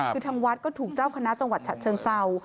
คือทางวัดก็ถูกเจ้าคณะจังหวัดฉะเชิงเศร้า